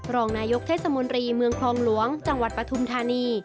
รองนายกเทศมนตรีเมืองคลองหลวงจังหวัดปฐุมธานี